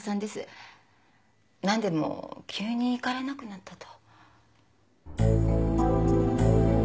何でも急に行かれなくなったと。